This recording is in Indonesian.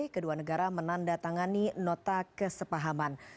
kedua negara menandatangani nota kesepahaman